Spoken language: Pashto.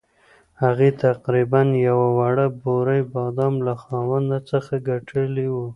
هغې تقریباً یوه وړه بورۍ بادام له خاوند څخه ګټلي وو.